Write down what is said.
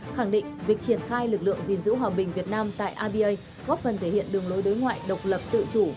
khẳng định việc triển khai lực lượng diễn dữ hòa bình việt nam tại rba góp phần thể hiện đường lối đối ngoại độc lập tự chủ